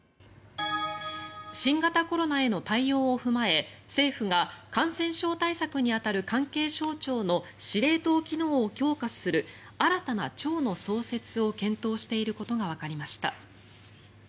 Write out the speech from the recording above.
新型コロナへの対応を踏まえ政府が感染症対策に当たる関係省庁の司令塔機能を強化する新たな庁の創設を検討していることがわかりました。